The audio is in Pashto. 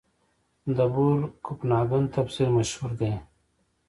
د بور کپنهاګن تفسیر مشهور دی.